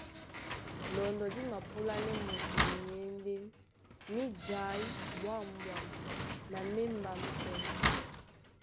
Lɔndɔ dí mapúlánɛ́ moto myěndé mí jaí ɓwâmɓwam na mí émbám pɛ́.